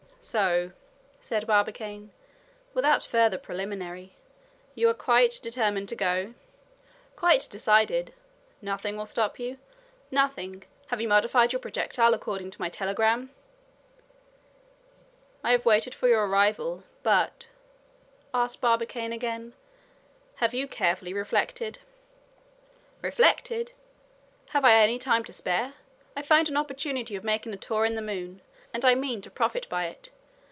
"So," said Barbicane without further preliminary, "you are quite determined to go." "Quite decided." "Nothing will stop you?" "Nothing. Have you modified your projectile according to my telegram." "I waited for your arrival. But," asked Barbicane again, "have you carefully reflected?" "Reflected? have I any time to spare? I find an opportunity of making a tour in the moon, and I mean to profit by it.